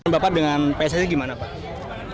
bapak dengan pssi gimana pak